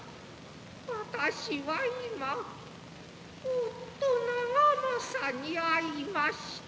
私は今夫長政に会いました。